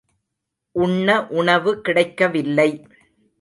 உண்ண உணவு கிடைக்கவில்லை.